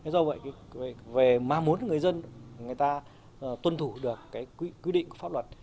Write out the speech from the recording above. do vậy mà muốn người dân người ta tuân thủ được quy định của pháp luật